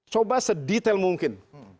coba sedetail mungkin